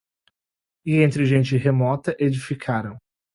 E entre gente remota edificaram